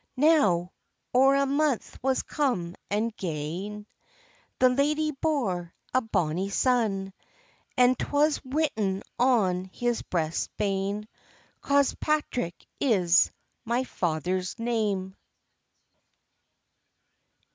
Now, or a month was come and gane, The ladye bore a bonny son; And 'twas written on his breast bane, "Cospatrick is my father's name."